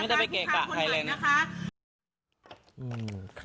ไม่ได้ไปเกะกะใครเลยนะคะ